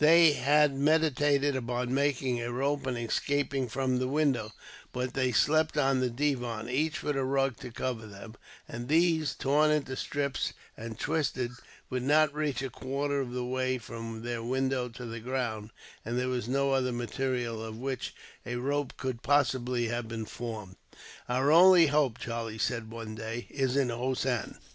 They had meditated upon making a rope and escaping from the window; but they slept on the divan, each with a rug to cover them; and these, torn into strips and twisted, would not reach a quarter of the way from their window to the ground; and there was no other material of which a rope could possibly have been formed. "Our only hope," Charlie said one day, "is in Hossein.